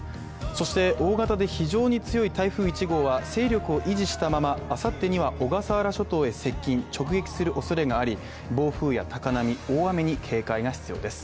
そして大型で非常に強い台風１号は勢力を維持したままあさってには小笠原諸島へ接近、直撃するおそれがあり暴風や高波、大雨に警戒が必要です。